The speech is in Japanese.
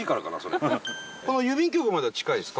この郵便局までは近いですか？